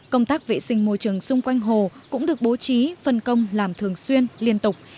công tác vệ sinh môi trường xung quanh hồ cũng được bố trí phân công làm thường xuyên liên tục